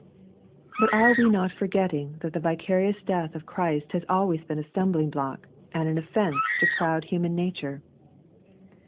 But are we not forgetting that the vicarious death of Christ has always been a stumbling block and an offence to proud human nature